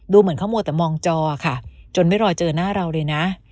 เหมือนเขามัวแต่มองจอค่ะจนไม่รอเจอหน้าเราเลยนะ